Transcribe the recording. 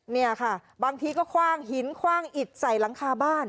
เนี่ยค่ะบางทีก็คว่างหินคว่างอิดใส่หลังคาบ้าน